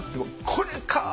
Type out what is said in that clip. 「これか！」。